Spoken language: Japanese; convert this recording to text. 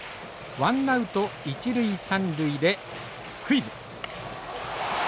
ワンナウト一塁三塁でスクイズ。